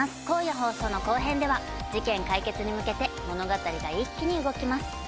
今夜放送の後編では事件解決に向けて物語が一気に動きます。